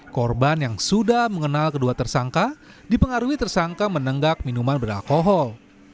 korban yang sudah mengenal kedua tersangka dipengaruhi tersangka menenggak minuman beralkohol